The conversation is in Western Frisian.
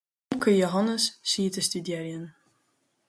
Omke Jehannes siet te studearjen.